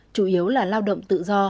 chủ yếu là lao động tự do